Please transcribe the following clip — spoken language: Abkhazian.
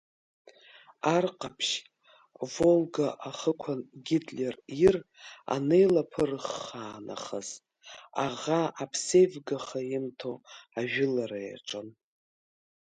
Ар Ҟаԥшь, Волга ахықәан Гитлер ир анеилаԥырххаа нахыс, аӷа аԥсеивгаха имҭо ажәылара иаҿын.